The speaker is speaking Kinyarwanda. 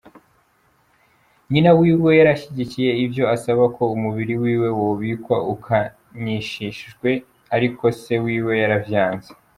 Nyina wiwe yarashigikiye ivyo asaba ko umubiri wiwe wobikwa ukanyishijwe ariko se wiwe yaravyanse.